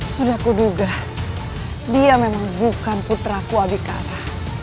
sudah kuduga dia memang bukan putraku nabi kara